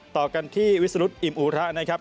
ต่อกันที่วิสรุธอิมอุระนะครับ